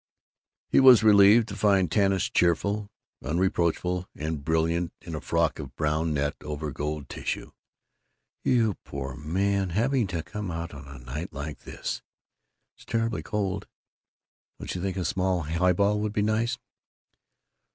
He was relieved to find Tanis cheerful, unreproachful, and brilliant in a frock of brown net over gold tissue. "You poor man, having to come out on a night like this! It's terribly cold. Don't you think a small highball would be nice?"